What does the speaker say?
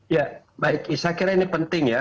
ya baik saya kira ini penting ya